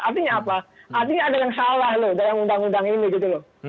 artinya apa artinya ada yang salah loh dalam undang undang ini gitu loh